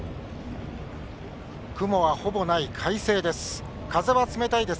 雲はほぼない快晴です。